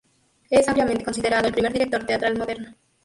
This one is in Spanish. Es ampliamente considerado el primer director teatral moderno.